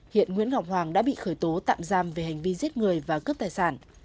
hiện nguyễn ngọc hoàng đã bị khởi tố tạm giam về hành vi giết người và cướp tài sản